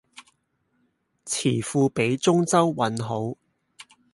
詞庫畀中州韻好